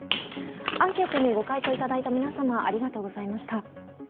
アンケートにご回答いただいた皆様ありがとうございました。